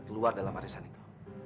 keluar dalam arisan itu